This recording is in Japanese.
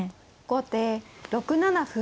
後手６七歩。